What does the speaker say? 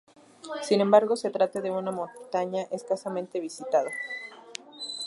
Sin embargo se trata de una montaña escasamente visitada.